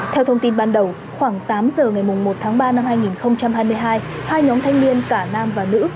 theo thông tin ban đầu khoảng tám giờ ngày một tháng ba năm hai nghìn hai mươi hai hai nhóm thanh niên cả nam và nữ